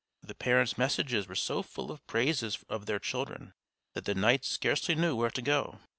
The parents' messages were so full of praises of their children that the knights scarcely knew where to go.